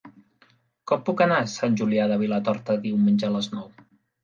Com puc anar a Sant Julià de Vilatorta diumenge a les nou?